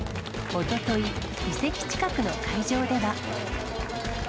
おととい、遺跡近くの会場では。